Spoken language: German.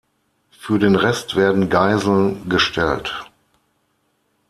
Für den Rest werden Geiseln gestellt.